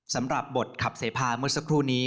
สำหรับบทขับเสพาเมื่อสักครู่นี้